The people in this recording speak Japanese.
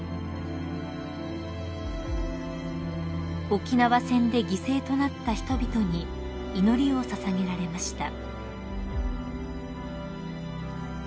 ［沖縄戦で犠牲となった人々に祈りを捧げられました］